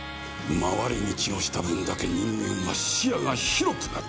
回り道をした分だけ人間は視野が広くなる。